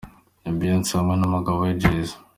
Beyonce hamwe n'umugabo we Jay Z.